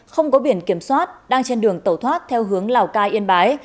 không có biển kiểm soát đang trên đường tẩu thoát theo hướng lào cai yên bái